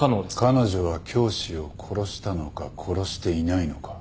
彼女は教師を殺したのか殺していないのか。